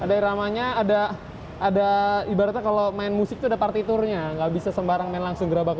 hanya ada ada ibaratnya kalau main musik sudah partiturnya nggak bisa sembarang langsung gerabak